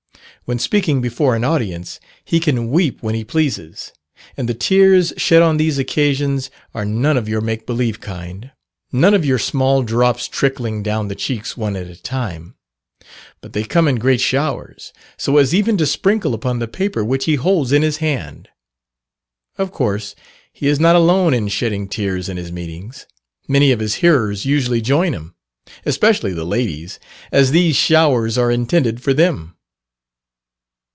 When speaking before an audience, he can weep when he pleases; and the tears shed on these occasions are none of your make believe kind none of your small drops trickling down the cheeks one at a time; but they come in great showers, so as even to sprinkle upon the paper which he holds in his hand. Of course, he is not alone in shedding tears in his meetings, many of his hearers usually join him; especially the ladies, as these showers are intended for them.